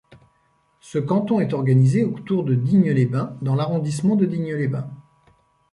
Ce canton est organisé autour de Digne-les-Bains dans l'arrondissement de Digne-les-Bains.